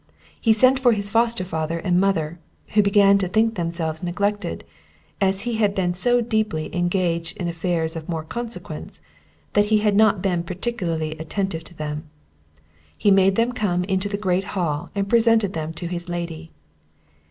He sent for his foster father and mother, who began to think themselves neglected, as he had been so deeply engaged in affairs of more consequence that he had not been particularly attentive to them; he made them come into the great hall, and presented them to his lady.